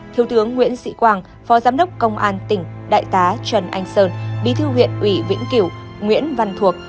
thiếu tướng nguyễn sĩ quang phó giám đốc công an tỉnh đại tá trần anh sơn bí thư huyện ủy vĩnh cửu nguyễn văn thuộc